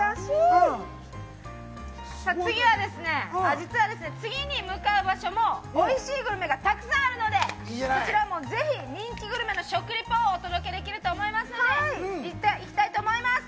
実は、次に向かう場所もおいしいグルメがたくさんあるのでこちらもぜひ人気グルメの食リポ届けできるので行きたいと思います。